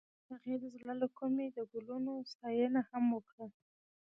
هغې د زړه له کومې د ګلونه ستاینه هم وکړه.